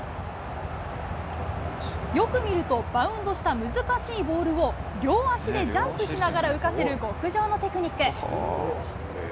よく見ると、バウンドした難しいボールを両足でジャンプしながら浮かせる極上のテクニック。